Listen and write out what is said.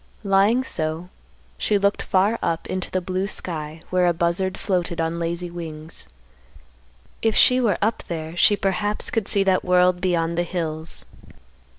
Lying so, she looked far up into the blue sky where a buzzard floated on lazy wings. If she were up there she perhaps could see that world beyond the hills.